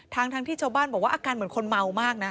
ทั้งที่ชาวบ้านบอกว่าอาการเหมือนคนเมามากนะ